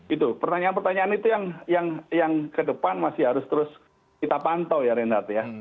itu pertanyaan pertanyaan itu yang ke depan masih harus terus kita pantau ya reinhardt ya